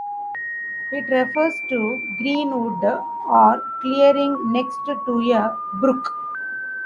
It refers to "Green wood" or "clearing" next to a brook.